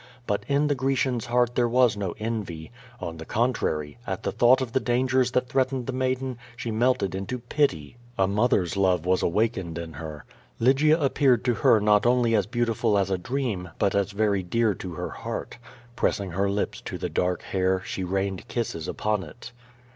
But in the Grecian's heart there was no envy. On the con trary, at thought of the dangers that threatened the maiden, she melted into pity; a mother's love was awakened in her. Lygia appeared to her not only as beautiful as a dream, but as very dear to her heart. Pressing her lips to the dark hair, she rained kisses upon it.